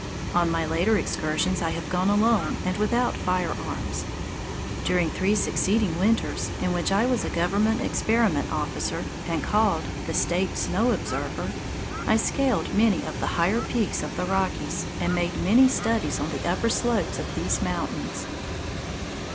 On my later excursions I have gone alone and without firearms. During three succeeding winters, in which I was a Government Experiment Officer and called the "State Snow Observer," I scaled many of the higher peaks of the Rockies and made many studies on the upper slopes of these mountains.